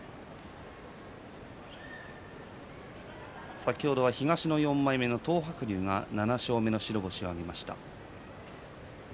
先ほどは東の４枚目の東白龍が７勝目の白星を挙げました。